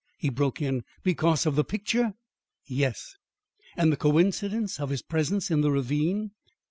he broke in. "Because of the picture?" "Yes." "And the coincidence of his presence in the ravine?"